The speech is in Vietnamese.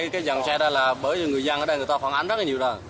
cái dòng xe đó là bởi vì người dân ở đây người ta khoảng ánh rất là nhiều đoàn